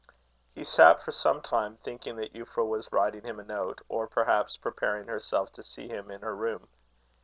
He sat for some time, thinking that Euphra was writing him a note, or perhaps preparing herself to see him in her room.